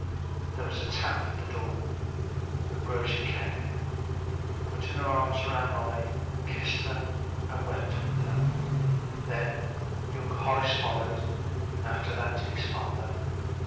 There was a tap at the door and Rosie came in, put her arms round Molly, kissed her and wept with her. Then young Horace followed and after that his father.